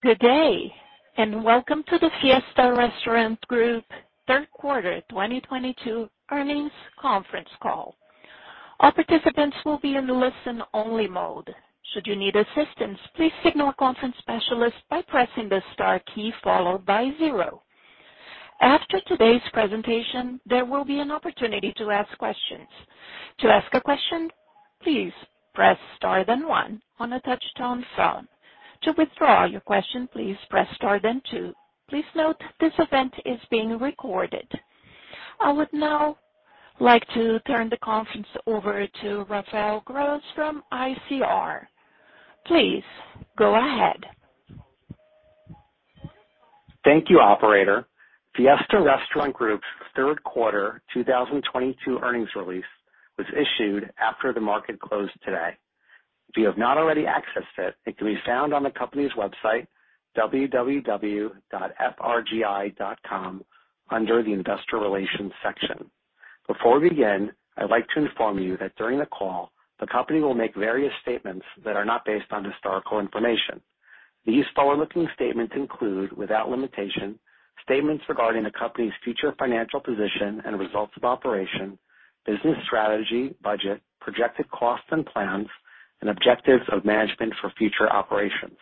Good day, and welcome to the Fiesta Restaurant Group Third Quarter 2022 Earnings Conference Call. All participants will be in a listen-only mode. Should you need assistance, please signal a conference specialist by pressing the star key followed by zero. After today's presentation, there will be an opportunity to ask questions. To ask a question, please press star then one on a touch-tone phone. To withdraw your question, please press star then two. Please note this event is being recorded. I would now like to turn the conference over to Raphael Gross from ICR. Please go ahead. Thank you, operator. Fiesta Restaurant Group's Third Quarter 2022 Earnings release was issued after the market closed today. If you have not already accessed it, it can be found on the company's website, www.frgi.com, under the investor relations section. Before we begin, I'd like to inform you that during the call, the company will make various statements that are not based on historical information. These forward-looking statements include, without limitation, statements regarding the company's future financial position and results of operations, business strategy, budget, projected costs and plans, and objectives of management for future operations.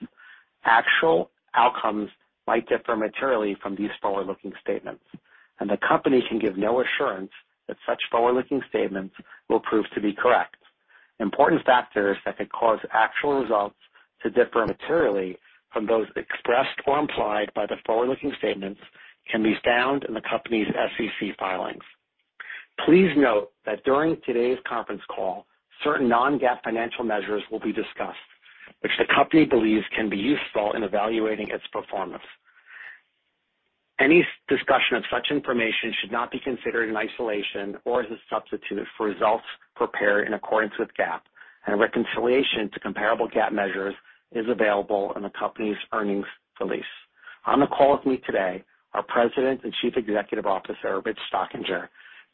Actual outcomes might differ materially from these forward-looking statements, and the company can give no assurance that such forward-looking statements will prove to be correct. Important factors that could cause actual results to differ materially from those expressed or implied by the forward-looking statements, can be found in the company's SEC filings. Please note that during today's conference call, certain non-GAAP financial measures will be discussed, which the company believes can be useful in evaluating its performance. Any discussion of such information should not be considered in isolation or as a substitute for results prepared in accordance with GAAP, and a reconciliation to comparable GAAP measures is available in the company's earnings release. On the call with me today are President and Chief Executive Officer, Rich Stockinger,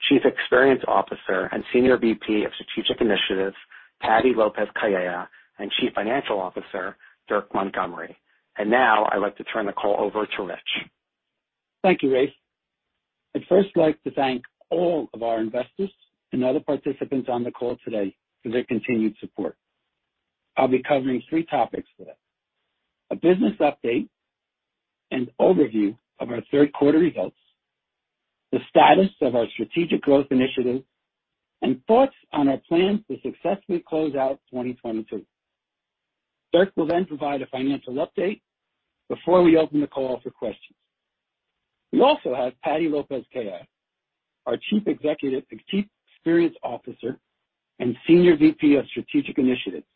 Chief Experience Officer and Senior VP of Strategic Initiatives, Patricia Lopez-Calleja, and Chief Financial Officer, Dirk Montgomery. Now I'd like to turn the call over to Rich. Thank you, Ray. I'd first like to thank all of our investors and other participants on the call today for their continued support. I'll be covering three topics today, a business update and overview of our third quarter results, the status of our strategic growth initiatives, and thoughts on our plans to successfully close out 2022. Dirk will then provide a financial update before we open the call for questions. We also have Patty Lopez-Calleja, our Chief Experience Officer and Senior VP of Strategic Initiatives,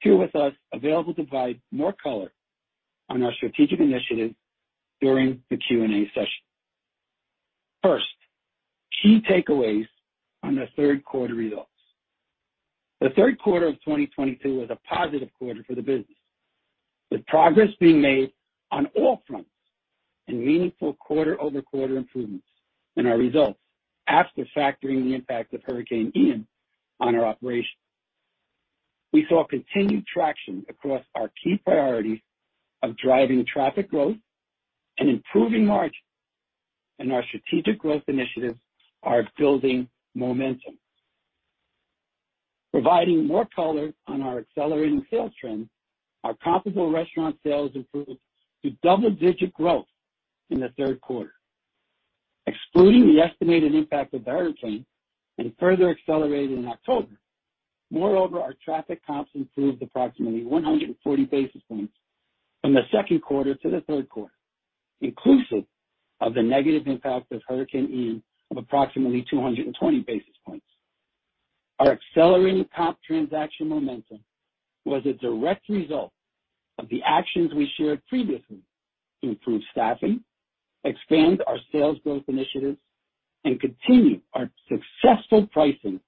here with us available to provide more color on our strategic initiatives during the Q&A session. First, key takeaways on the third quarter results. The third quarter of 2022 was a positive quarter for the business, with progress being made on all fronts and meaningful quarter-over-quarter improvements in our results after factoring the impact of Hurricane Ian on our operations. We saw continued traction across our key priorities of driving traffic growth and improving margins, and our strategic growth initiatives are building momentum. Providing more color on our accelerating sales trend, our comparable restaurant sales improved to double-digit growth in the third quarter, excluding the estimated impact of the hurricane and further accelerated in October. Moreover, our traffic comps improved approximately 140 basis points from the second quarter to the third quarter, inclusive of the negative impact of Hurricane Ian of approximately 220 basis points. Our accelerating comp transaction momentum was a direct result of the actions we shared previously to improve staffing, expand our sales growth initiatives, and continue our successful pricing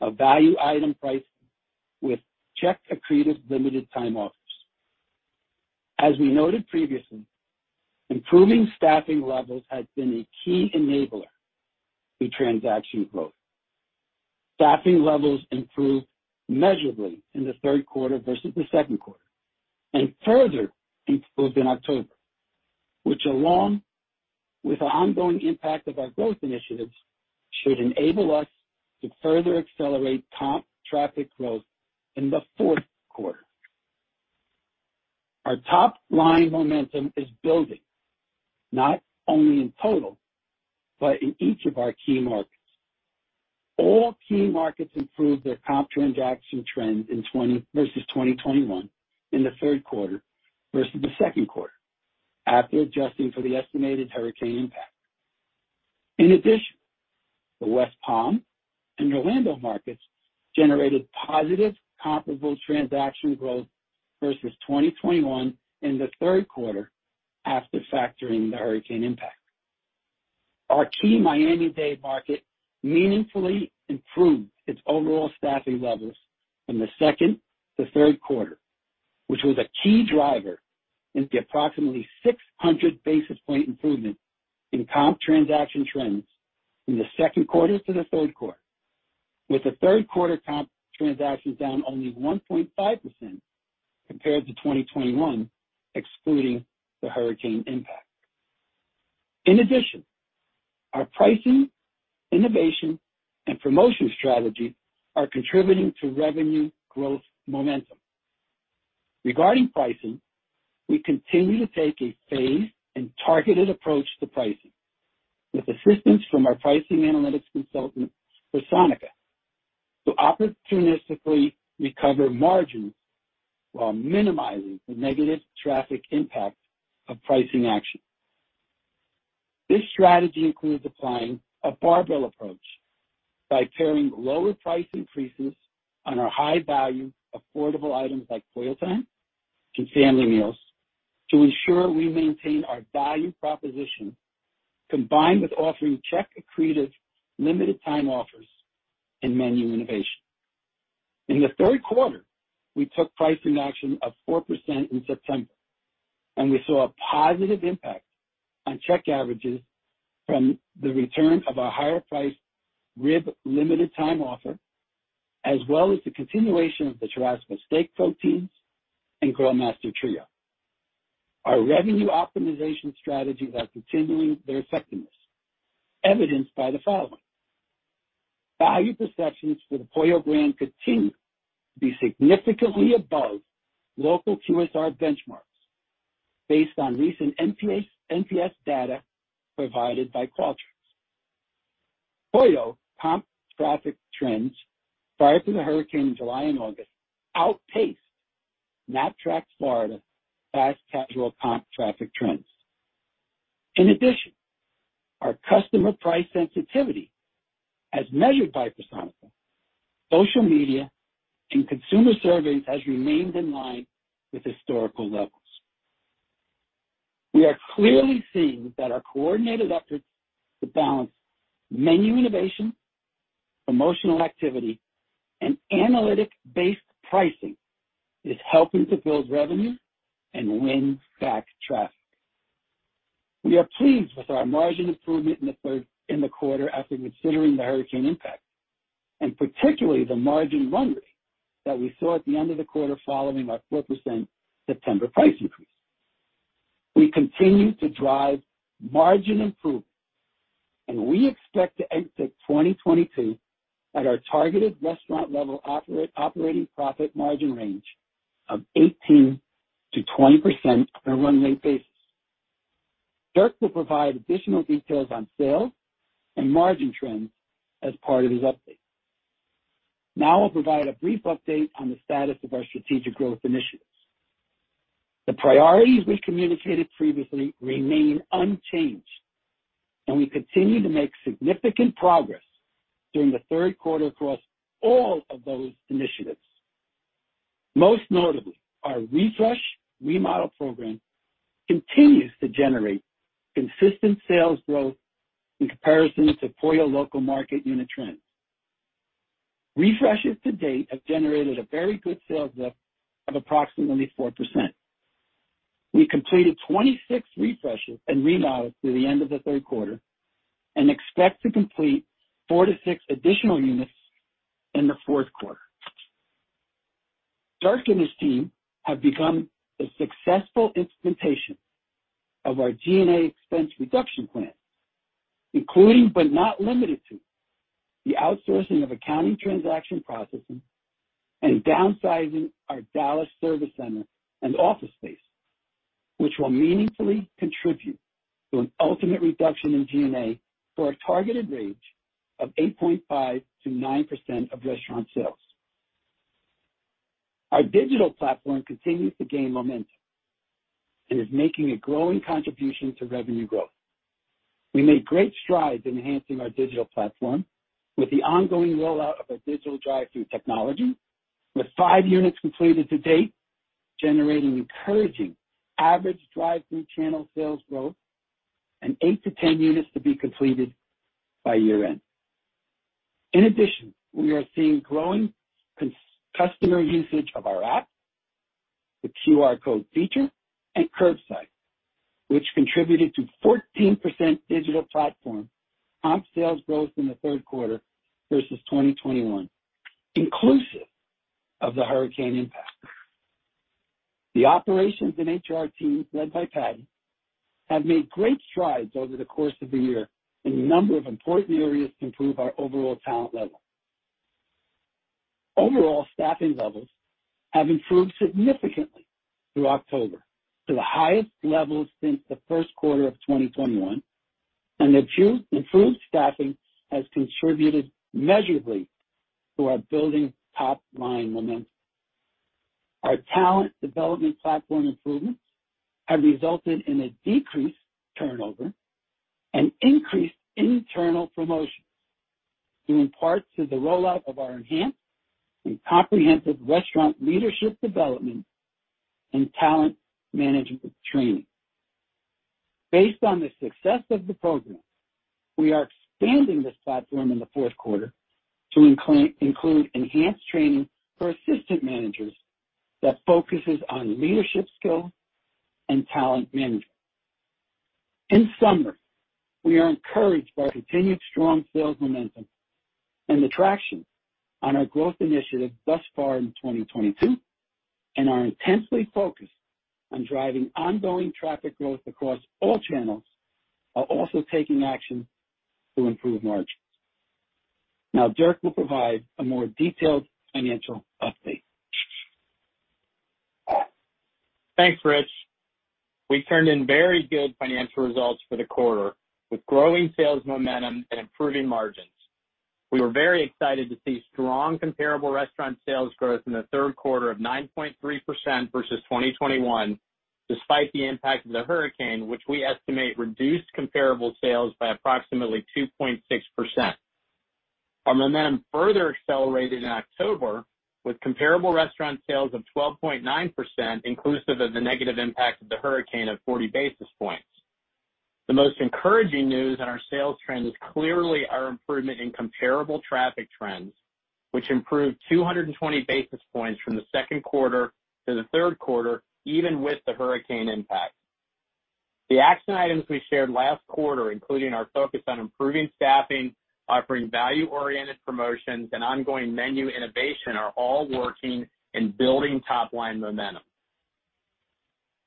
of value item pricing with check-accretive limited-time offers. As we noted previously, improving staffing levels has been a key enabler to transaction growth. Staffing levels improved measurably in the third quarter versus the second quarter and further improved in October, which along with the ongoing impact of our growth initiatives, should enable us to further accelerate comp traffic growth in the fourth quarter. Our top-line momentum is building not only in total, but in each of our key markets. All key markets improved their comp transaction trend in 2022, versus 2021 in the third quarter versus the second quarter, after adjusting for the estimated hurricane impact. In addition, the West Palm and Orlando markets generated positive comparable transaction growth versus 2021 in the third quarter after factoring the hurricane impact. Our key Miami-Dade market meaningfully improved its overall staffing levels from the second to third quarter, which was a key driver in the approximately 600 basis points improvement in comp transaction trends from the second quarter to the third quarter. With the third quarter comp transactions down only 1.5% compared to 2021, excluding the hurricane impact. In addition, our pricing, innovation, and promotion strategy are contributing to revenue growth momentum. Regarding pricing, we continue to take a phased and targeted approach to pricing, with assistance from our pricing analytics consultant, Personica, to opportunistically recover margins while minimizing the negative traffic impact of pricing action. This strategy includes applying a barbell approach by pairing lower price increases on our high value, affordable items like Pollo Time and family meals, to ensure we maintain our value proposition, combined with offering check-accretive limited time offers and menu innovation. In the third quarter, we took pricing action of 4% in September, and we saw a positive impact on check averages from the return of our higher priced rib limited time offer, as well as the continuation of the Churrasco steak proteins and GrillMaster Trio. Our revenue optimization strategies are continuing their effectiveness, evidenced by the following. Value perceptions for the Pollo brand continue to be significantly above local QSR benchmarks, based on recent NPS data provided by Qualtrics. Pollo comp traffic trends prior to the hurricane in July and August outpaced Knapp-Track Florida fast casual comp traffic trends. In addition, our customer price sensitivity, as measured by Personica, social media, and consumer surveys, has remained in line with historical levels. We are clearly seeing that our coordinated efforts to balance menu innovation, promotional activity, and analytics-based pricing is helping to build revenue and win back traffic. We are pleased with our margin improvement in the quarter after considering the hurricane impact, and particularly the margin runway that we saw at the end of the quarter following our 4% September price increase. We continue to drive margin improvement, and we expect to exit 2022 at our targeted restaurant-level operating profit margin range of 18%-20% on a run rate basis. Dirk will provide additional details on sales and margin trends as part of his update. Now I'll provide a brief update on the status of our strategic growth initiatives. The priorities we communicated previously remain unchanged, and we continue to make significant progress during the third quarter across all of those initiatives. Most notably, our refresh/remodel program continues to generate consistent sales growth in comparison to Pollo Tropical local market unit trends. Refreshes to date have generated a very good sales lift of approximately 94%. We completed 26 refreshes and remodels through the end of the third quarter, and expect to complete four to six additional units in the fourth quarter. Dirk and his team have begun the successful implementation of our G&A expense reduction plan, including but not limited to the outsourcing of accounting transaction processing and downsizing our Dallas service center and office space, which will meaningfully contribute to an ultimate reduction in G&A for a targeted range of 8.5%-9% of restaurant sales. Our digital platform continues to gain momentum, and is maki, ng a growing contribution to revenue growth. We made great strides enhancing our digital platform, with the ongoing rollout of our digital drive-thru technology, with 5 units completed to date, generating encouraging average drive-thru channel sales growth and 8-10 units to be completed by year-end. In addition, we are seeing growing customer usage of our app, the QR code feature, and curbside, which contributed to 14% digital platform comp sales growth in the third quarter versus 2021, inclusive of the hurricane impact. The operations and HR teams, led by Patty, have made great strides over the course of the year in a number of important areas to improve our overall talent level. Overall staffing levels have improved significantly through October to the highest levels since the first quarter of 2021, and the improved staffing has contributed measurably to our building top-line momentum. Our talent development platform improvements have resulted in a decreased turnover and increased internal promotions, due in part to the rollout of our enhanced and comprehensive restaurant leadership development and talent management training. Based on the success of the program, we are expanding this platform in the fourth quarter to include enhanced training for assistant managers that focuses on leadership skills and talent management. In summary, we are encouraged by our continued strong sales momentum and the traction on our growth initiative thus far in 2022, and are intensely focused on driving ongoing traffic growth across all channels, while also taking action to improve margins. Now Dirk will provide a more detailed financial update. Thanks, Rich. We turned in very good financial results for the quarter, with growing sales momentum and improving margins. We were very excited to see strong comparable restaurant sales growth in the third quarter of 9.3% versus 2021, despite the impact of the hurricane, which we estimate reduced comparable sales by approximately 2.6%. Our momentum further accelerated in October with comparable restaurant sales of 12.9%, inclusive of the negative impact of the hurricane of 40 basis points. The most encouraging news on our sales trend is clearly our improvement in comparable traffic trends, which improved 220 basis points from the second quarter to the third quarter, even with the hurricane impact. The action items we shared last quarter, including our focus on improving staffing, offering value-oriented promotions, and ongoing menu innovation, are all working and building top line momentum.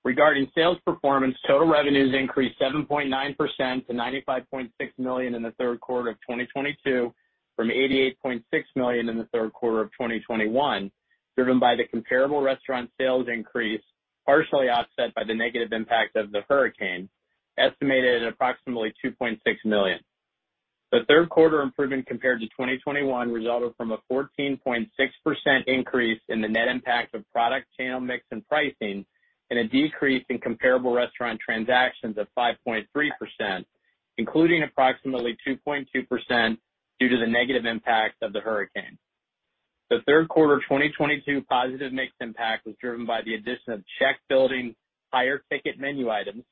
Regarding sales performance, total revenues increased 7.9% to $95.6 million in the third quarter of 2022, from $88.6 million in the third quarter of 2021, driven by the comparable restaurant sales increase, partially offset by the negative impact of the hurricane, estimated at approximately $2.6 million. The third quarter improvement compared to 2021 resulted from a 14.6% increase in the net impact of product channel mix and pricing, and a decrease in comparable restaurant transactions of 5.3%, including approximately 2.2% due to the negative impact of the hurricane. The third quarter 2022 positive mix impact was driven by the addition of check building higher ticket menu items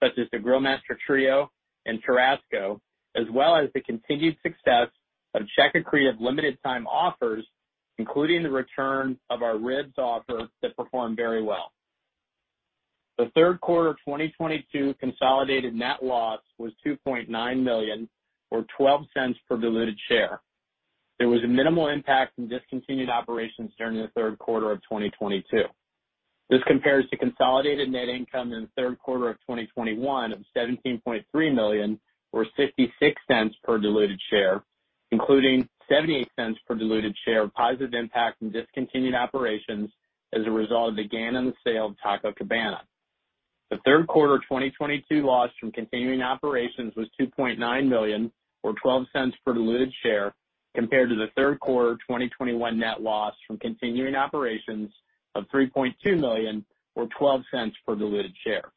such as the GrillMaster Trio and Churrasco, as well as the continued success of check-accretive limited-time offers, including the return of our ribs offer that performed very well. The third quarter 2022 consolidated net loss was $2.9 million or $0.12 per diluted share. There was a minimal impact from discontinued operations during the third quarter of 2022. This compares to consolidated net income in the third quarter of 2021 of $17.3 million or $0.66 per diluted share, including $0.78 per diluted share of positive impact from discontinued operations as a result of the gain on the sale of Taco Cabana. The third quarter 2022 loss from continuing operations was $2.9 million or $0.12 per diluted share, compared to the third quarter 2021 net loss from continuing operations of $3.2 million or $0.12 per diluted share.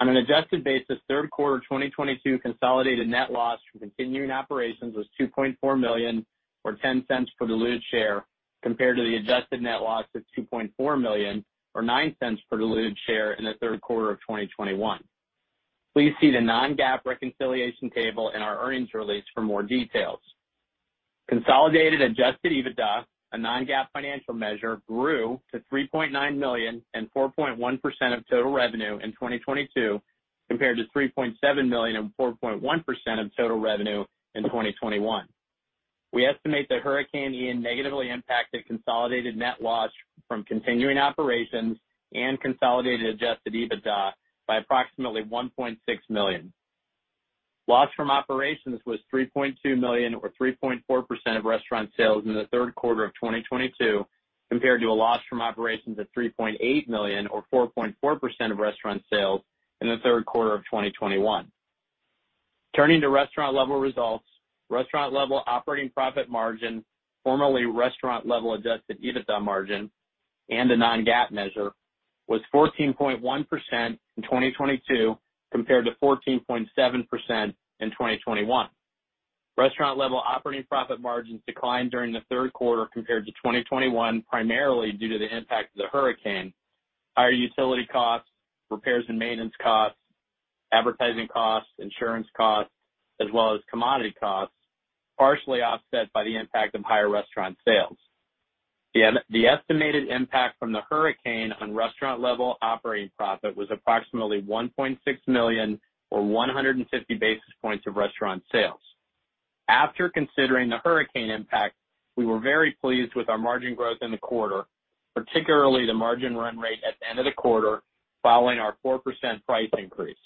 On an adjusted basis, third quarter 2022 consolidated net loss from continuing operations was $2.4 million or $0.10 per diluted share, compared to the adjusted net loss of $2.4 million or $0.09 per diluted share in the third quarter of 2021. Please see the non-GAAP reconciliation table in our earnings release for more details. Consolidated adjusted EBITDA, a non-GAAP financial measure, grew to $3.9 million and 4.1% of total revenue in 2022, compared to $3.7 million and 4.1% of total revenue in 2021. We estimate that Hurricane Ian negatively impacted consolidated net loss from continuing operations, and consolidated adjusted EBITDA by approximately $1.6 million. Loss from operations was $3.2 million or 3.4% of restaurant sales in the third quarter of 2022, compared to a loss from operations of $3.8 million or 4.4% of restaurant sales in the third quarter of 2021. Turning to restaurant level results, restaurant level operating profit margin, formerly restaurant level adjusted EBITDA margin and a non-GAAP measure, was 14.1% in 2022 compared to 14.7% in 2021. Restaurant level operating profit margins declined during the third quarter compared to 2021, primarily due to the impact of the hurricane, higher utility costs, repairs and maintenance costs, advertising costs, insurance costs, as well as commodity costs, partially offset by the impact of higher restaurant sales. The estimated impact from the hurricane on restaurant level operating profit was approximately $1.6 million or 150 basis points of restaurant sales. After considering the hurricane impact, we were very pleased with our margin growth in the quarter, particularly the margin run rate at the end of the quarter, following our 4% price increase.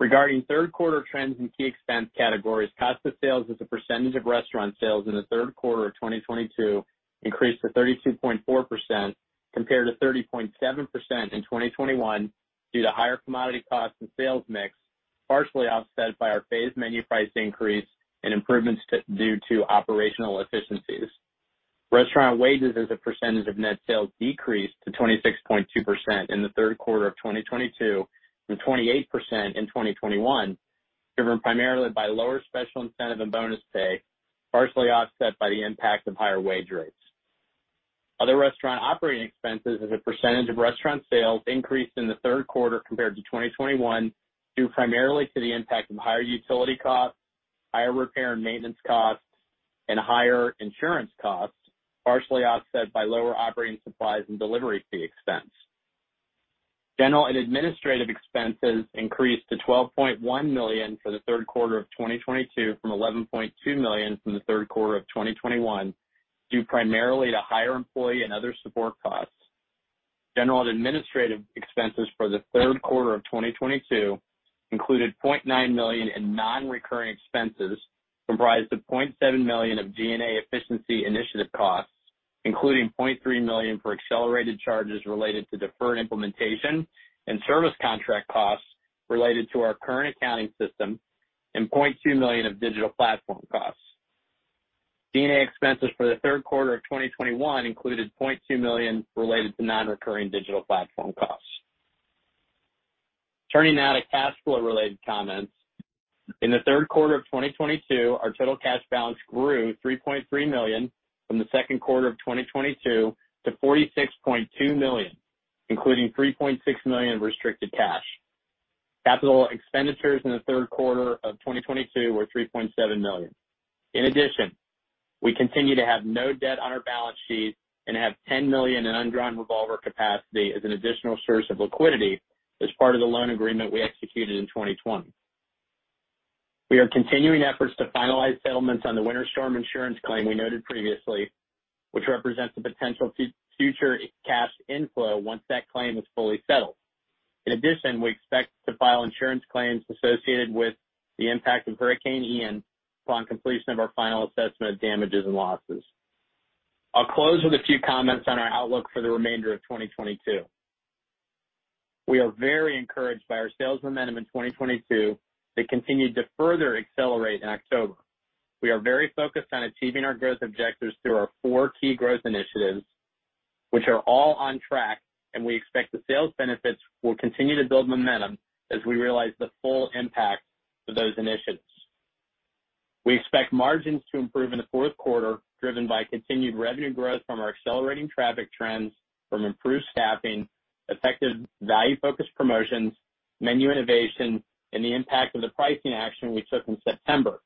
Regarding third quarter trends in key expense categories, cost of sales as a percentage of restaurant sales in the third quarter of 2022 increased to 32.4% compared to 30.7% in 2021, due to higher commodity costs and sales mix, partially offset by our phased menu price increase and improvements due to operational efficiencies. Restaurant wages as a percentage of net sales decreased to 26.2% in the third quarter of 2022 from 28% in 2021, driven primarily by lower special incentive and bonus pay, partially offset by the impact of higher wage rates. Other restaurant operating expenses as a percentage of restaurant sales increased in the third quarter compared to 2021, due primarily to the impact of higher utility costs, higher repair and maintenance costs, and higher insurance costs, partially offset by lower operating supplies and delivery fee expense. General and administrative expenses increased to $12.1 million for the third quarter of 2022 from $11.2 million from the third quarter of 2021, due primarily to higher employee and other support costs. General and administrative expenses for the third quarter of 2022 included $0.9 million in non-recurring expenses, comprised of $0.7 million of G&A efficiency initiative costs, including $0.3 million for accelerated charges related to deferred implementation and service contract costs related to our current accounting system, and $0.2 million of digital platform costs. G&A expenses for the third quarter of 2021 included $0.2 million related to non-recurring digital platform costs. Turning now to cash flow related comments. In the third quarter of 2022, our total cash balance grew $3.3 million from the second quarter of 2022 to $46.2 million, including $3.6 million restricted cash. Capital expenditures in the third quarter of 2022 were $3.7 million. In addition, we continue to have no debt on our balance sheet, and have $10 million in undrawn revolver capacity as an additional source of liquidity as part of the loan agreement we executed in 2020. We are continuing efforts to finalize settlements on the winter storm insurance claim we noted previously, which represents a potential future cash inflow once that claim is fully settled. In addition, we expect to file insurance claims associated with the impact of Hurricane Ian, upon completion of our final assessment of damages and losses. I'll close with a few comments on our outlook for the remainder of 2022. We are very encouraged by our sales momentum in 2022, that continued to further accelerate in October. We are very focused on achieving our growth objectives through our four key growth initiatives, which are all on track, and we expect the sales benefits will continue to build momentum as we realize the full impact of those initiatives. We expect margins to improve in the fourth quarter, driven by continued revenue growth from our accelerating traffic trends, from improved staffing, effective value focus promotions, menu innovation, and the impact of the pricing action we took in September,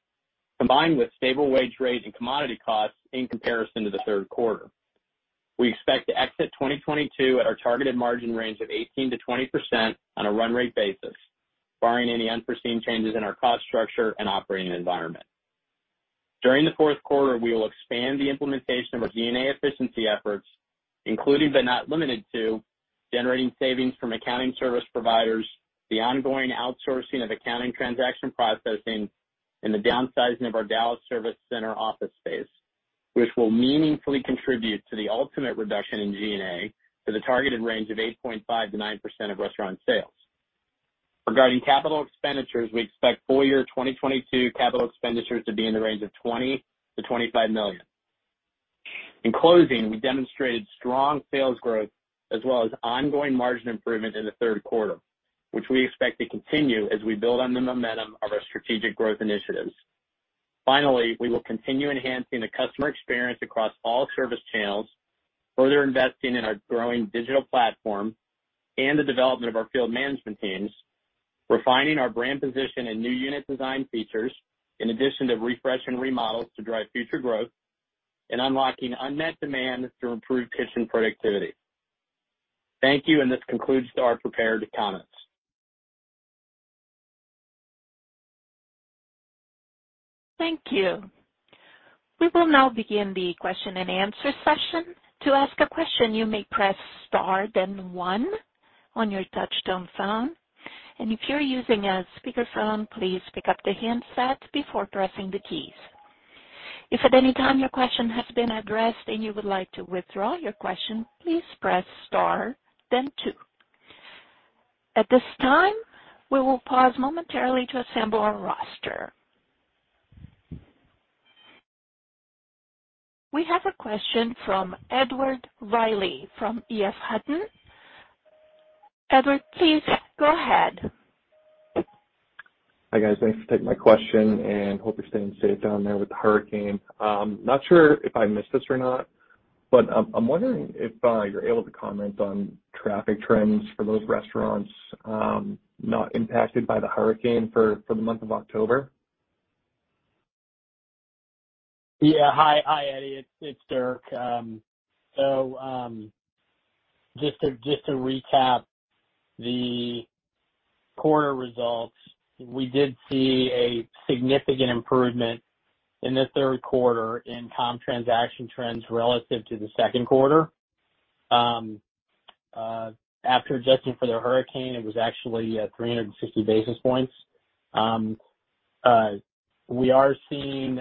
combined with stable wage rates and commodity costs in comparison to the third quarter. We expect to exit 2022 at our targeted margin range of 18%-20% on a run rate basis, barring any unforeseen changes in our cost structure and operating environment. During the fourth quarter, we will expand the implementation of our G&A efficiency efforts, including but not limited to, generating savings from accounting service providers, the ongoing outsourcing of accounting transaction processing, and the downsizing of our Dallas service center office space, which will meaningfully contribute to the ultimate reduction in G&A to the targeted range of 8.5%-9% of restaurant sales. Regarding capital expenditures, we expect full-year 2022 capital expenditures to be in the range of $20 million-$25 million. In closing, we demonstrated strong sales growth as well as ongoing margin improvement in the third quarter, which we expect to continue as we build on the momentum of our strategic growth initiatives. Finally, we will continue enhancing the customer experience across all service channels, further investing in our growing digital platform and the development of our field management teams, refining our brand position and new unit design features in addition to refresh and remodels to drive future growth, and unlocking unmet demand through improved kitchen productivity. Thank you, and this concludes our prepared comments. Thank you. We will now begin the question-and-answer session. To ask a question, you may press star then one on your touchtone phone. If you're using a speakerphone, please pick up the handset before pressing the keys. If at any time your question has been addressed and you would like to withdraw your question, please press star then two. At this time, we will pause momentarily to assemble our roster. We have a question from Edward Reilly from EF Hutton. Edward, please go ahead. Hi, guys. Thanks for taking my question, and hope you're staying safe down there with the hurricane. Not sure if I missed this or not, but I'm wondering if you're able to comment on traffic trends for those restaurants not impacted by the hurricane for the month of October. Yeah. Hi, Eddie, it's Dirk. Just to recap the quarter results, we did see a significant improvement in the third quarter in comp transaction trends relative to the second quarter. After adjusting for the hurricane, it was actually 360 basis points. We are seeing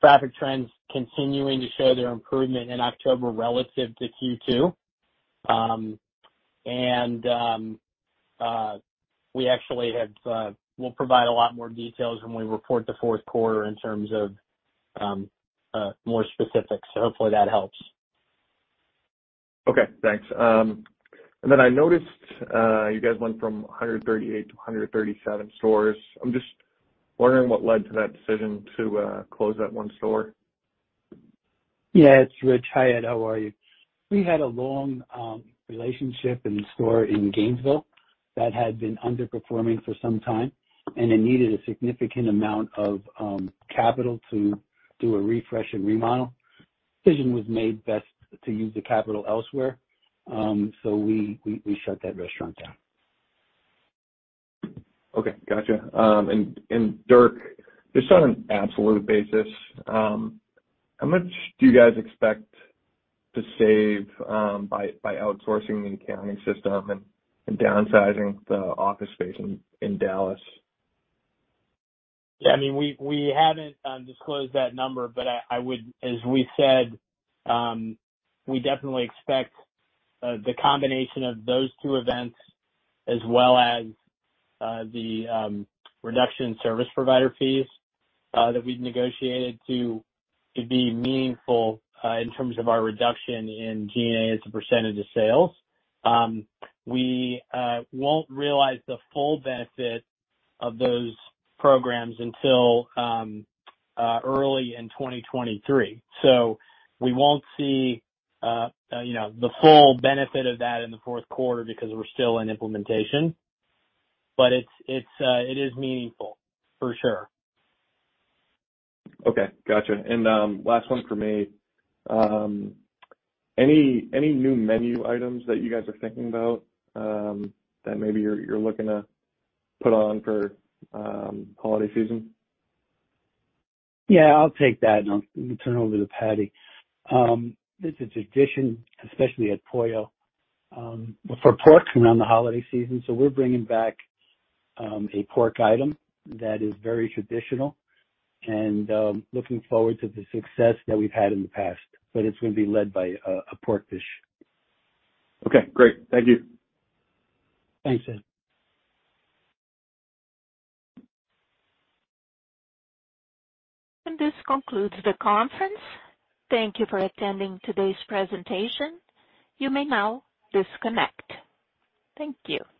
traffic trends continuing to show their improvement in October relative to Q2. We'll provide a lot more details when we report the fourth quarter in terms of more specifics. Hopefully that helps. Okay, thanks. I noticed you guys went from 138 to 137 stores. I'm just wondering what led to that decision to close that one store. Yeah, it's Rich. Hi, Ed. How are you? We had a long relationship in the store in Gainesville that had been underperforming for some time, and it needed a significant amount of capital to do a refresh and remodel. Decision was made best to use the capital elsewhere, so we shut that restaurant down. Okay, got you. Dirk, just on an absolute basis, how much do you guys expect to save by outsourcing the accounting system and downsizing the office space in Dallas? Yeah. I mean, we haven't disclosed that number, but as we said, we definitely expect the combination of those two events, as well as the reduction in service provider fees that we've negotiated to be meaningful in terms of our reduction in G&A as a percentage of sales. We won't realize the full benefit of those programs until early in 2023. We won't see, you know, the full benefit of that in the fourth quarter because we're still in implementation, but it is meaningful for sure. Okay, got you. Last one from me. Any new menu items that you guys are thinking about, that maybe you're looking to put on for holiday season? Yeah, I'll take that and I'll turn it over to Patty. It's a tradition, especially at Pollo for pork around the holiday season, so we're bringing back a pork item that is very traditional and looking forward to the success that we've had in the past. It's going to be led by a pork dish. Okay, great. Thank you. Thanks, Ed. This concludes the conference. Thank you for attending today's presentation. You may now disconnect. Thank you.